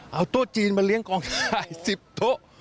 เอาโต๊ะจีนมาเลี้ยงกองถ่าย๑๐โต๊ะ